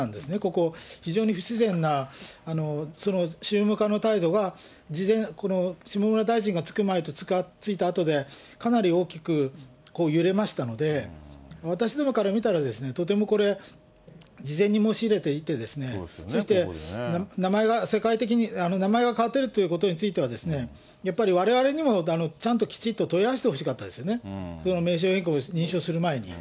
ここ、非常に不自然な、その宗務課の態度がこの下村大臣がつく前とついたあとで、かなり大きく揺れましたので、私どもから見たら、とてもこれ、事前に申し入れていて、そして、名前が世界的に、名前が変わっているということについては、やっぱりわれわれにも、ちゃんときちっと問い合わせてほしかったですよね、この名称変更を認証する前に。